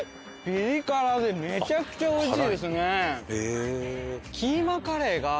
ピリ辛でめちゃくちゃおいしいですね。